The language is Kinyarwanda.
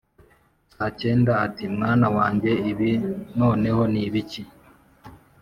Sacyega ati «mwana wanjye ibi noneho ni ibiki?»